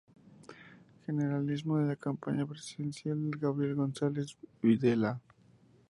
Generalísimo de la campaña presidencial de Gabriel González Videla.